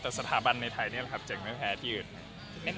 แต่สถาบันในไทยนี่แหละครับเจ๋งไม่แพ้ที่อื่น